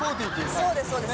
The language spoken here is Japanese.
そうですそうです